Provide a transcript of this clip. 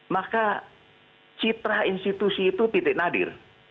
maka citra institusi itu titik nadir